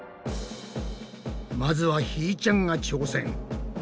まずはひーちゃんが挑戦。